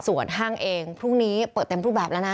ส่วนห้างเองพรุ่งนี้เปิดเต็มรูปแบบแล้วนะ